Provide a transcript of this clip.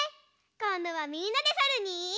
こんどはみんなでさるに。